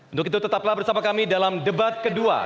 untuk itu tetaplah bersama kami dalam debat kedua